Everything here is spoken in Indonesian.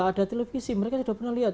ada televisi mereka sudah pernah lihat